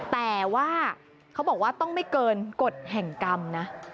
แต่ว่าเขาบอกว่าต้องไม่เกินกฎแห่งกรรมนะ